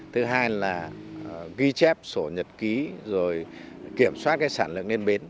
thứ hai là ghi chép sổ nhật ký rồi kiểm soát sản lượng lên bến